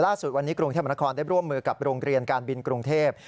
ล่าสุดวันนี้กรุงเทพมนครได้ร่วมมือกับโรงเรียนการบินกรุงเทพ